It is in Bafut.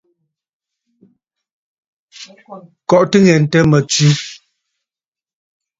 Kɔʼɔtə ŋghɛntə mə tswe.